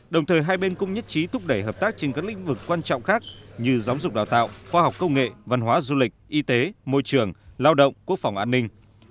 đồng thời hai bên cũng nhất trí thúc đẩy hợp tác trên các lĩnh vực quan trọng khác như giáo dục đào tạo khoa học công nghệ văn hóa du lịch y tế môi trường lao động quốc phòng an ninh